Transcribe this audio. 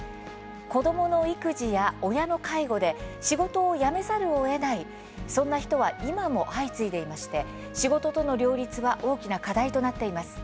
子どもの育児や親の介護で仕事を辞めざるをえないそんな人は今も相次いでいて仕事との両立は大きな課題となっています。